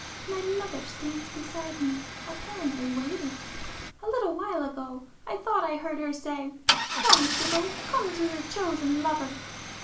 My mother stands beside me,—apparently waiting;—a little while ago I thought I heard her say 'Come, Sibyl! Come to your chosen lover!